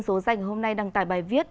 số danh hôm nay đăng tài bài viết